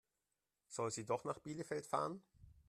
Soll sie doch nach Bielefeld fahren?